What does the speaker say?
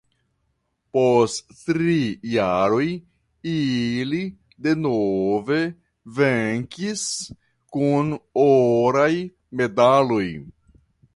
Post tri jaroj ili denove venkis kun oraj medaloj.